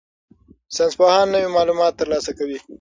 ساینسپوهان نوي معلومات ترلاسه کوي.